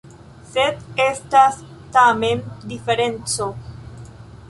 Sed estas tamen diferenco.